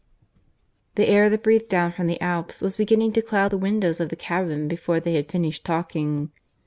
(IV) The air that breathed down from the Alps was beginning to cloud the windows of the cabin before they had finished talking.